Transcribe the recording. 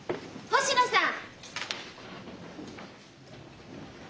星野さん！